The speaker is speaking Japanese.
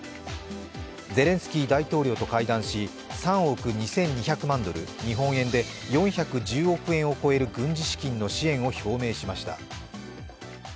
ゼレンスキー大統領と会談し、３億２２００万ドル、日本円で４１０億円を超える軍事資金の支援を表明しました。